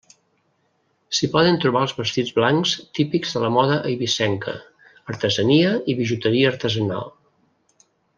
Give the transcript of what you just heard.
S'hi poden trobar els vestits blancs típics de la moda eivissenca, artesania i bijuteria artesanal.